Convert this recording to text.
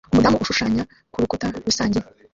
Umudamu ushushanya kurukuta rusange!